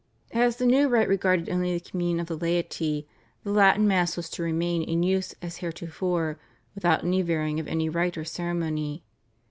As the new rite regarded only the Communion of the laity, the Latin Mass was to remain in use as heretofore "without any varying of any rite or ceremony."